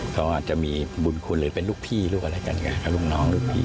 เขาอาจจะมีบุญคุณหรือเป็นลูกพี่ลูกอะไรกันไงกับลูกน้องลูกพี่